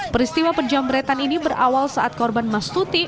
peristiwa penjamretan ini berawal saat korban mas tuti